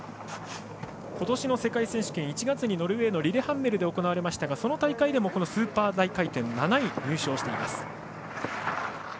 今年の世界選手権１月にノルウェーのリレハンメルで行われましたがその大会でもスーパー大回転で７位に入賞しています。